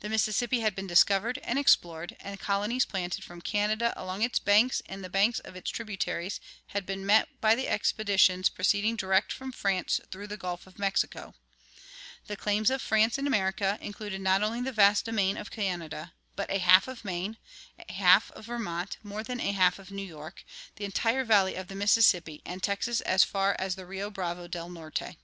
The Mississippi had been discovered and explored, and the colonies planted from Canada along its banks and the banks of its tributaries had been met by the expeditions proceeding direct from France through the Gulf of Mexico. The claims of France in America included not only the vast domain of Canada, but a half of Maine, a half of Vermont, more than a half of New York, the entire valley of the Mississippi, and Texas as far as the Rio Bravo del Norte.